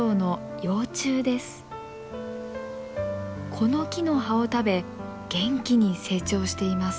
この木の葉を食べ元気に成長しています。